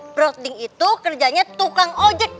browding itu kerjanya tukang ojek